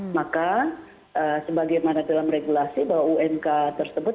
maka sebagaimana dalam regulasi bahwa umk tersebut